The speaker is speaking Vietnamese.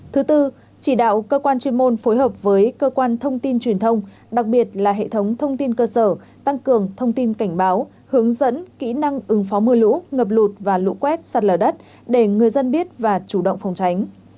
thứ tư chỉ đạo cơ quan chuyên môn phối hợp với cơ quan thông tin truyền thông đặc biệt là hệ thống thông tin cơ sở tăng cường thông tin cảnh báo hướng dẫn kỹ năng ứng phó mưa lũ ngập lụt và lũ quét sạt lở đất để người dân biết và chủ động phòng tránh